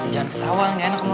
jangan ketawa nggak enak emang